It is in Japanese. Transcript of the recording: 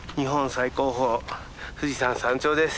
最高峰富士山山頂です。